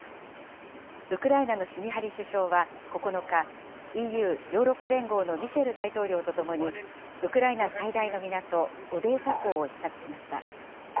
ウクライナのシュミハリ首相は、９日、ＥＵ・ヨーロッパ連合のミシェル大統領とともに、ウクライナ最大の港、オデーサ港を視察しました。